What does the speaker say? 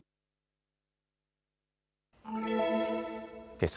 けさ